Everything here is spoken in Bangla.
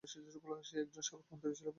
সে একজন সাবেক মন্ত্রী বলেই এমন ঔদ্ধত্য।